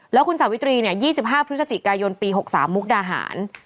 แล้วคุณสวิตรีเนี่ย๒๕พุทธจิกายนปี๑๙๖๓มุกดาหาร